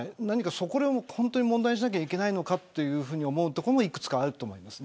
ここを問題にしないといけないのかっていうところもいくつかあると思います。